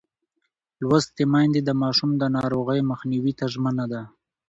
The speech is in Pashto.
لوستې میندې د ماشوم د ناروغۍ مخنیوي ته ژمنه ده.